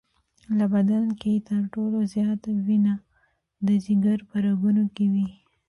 په بدن کې تر ټولو زیاته وینه د جگر په رګونو کې وي.